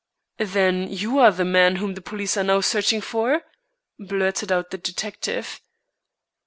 "Then you are the man whom the police are now searching for?" blurted out the detective.